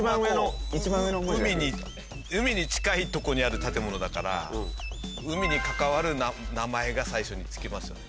海に近いとこにある建物だから海に関わる名前が最初に付きますよね。